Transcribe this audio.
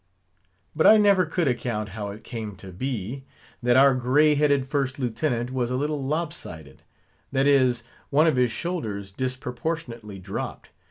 But I never could account how it came to be, that our grey headed First Lieutenant was a little lop sided; that is, one of his shoulders disproportionately dropped.